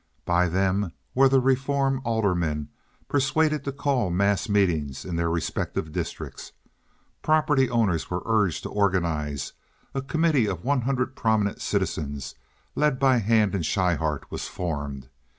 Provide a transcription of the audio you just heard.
By them were the reform aldermen persuaded to call mass meetings in their respective districts. Property owners were urged to organize; a committee of one hundred prominent citizens led by Hand and Schryhart was formed.